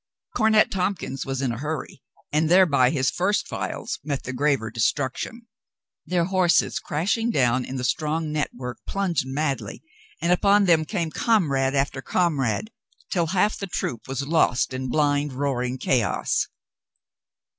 Cornet Tompkins was in a hurry, and there by his first files met the graver destruction. Their horses, crashing down in the strong network, plunged madly, and upon them came comrade after comrade, till half the troop was lost in blind, roar ing chaos.